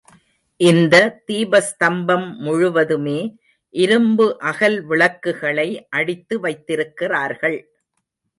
இந்த தீபஸ்தம்பம் முழுவதுமே இரும்பு அகல் விளக்குகளை அடித்து வைத்திருக்கிறார்கள்.